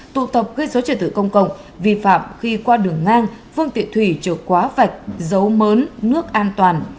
tụ tập gây số trở tự công cộng vi phạm khi qua đường ngang phương tiện thủy trở quá vạch giấu mớn nước an toàn